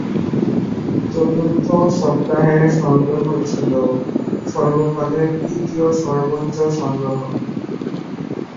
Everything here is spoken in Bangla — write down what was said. চতুর্থ সপ্তাহের সংগ্রহ ছিল সর্বকালের তৃতীয় সর্বোচ্চ সংগ্রহ।